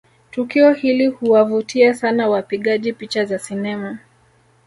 Tukio hili huwavutia sana wapigaji picha za sinema